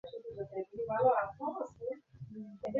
এই ক্রমসংখ্যা গবেষক তার সুবিধাজনক উপায়ে নির্ধারণ করতে পারেন।